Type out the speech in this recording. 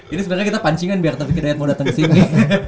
ini sebenernya kita pancingan biar tapi kedaiat mau dateng kesini